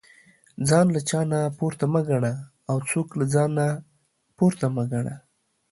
ځان له چانه پورته مه ګنه او څوک له ځانه پورته مه ګنه